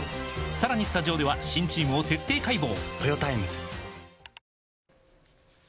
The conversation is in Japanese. さらにスタジオでは新チームを徹底解剖！